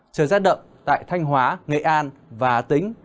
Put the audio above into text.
trời rát đậm tại thanh hóa nghệ an và tĩnh